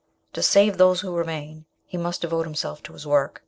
To save those who remain, he must devote himself to his work.